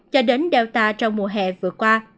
cho đến delta trong mùa hè vừa qua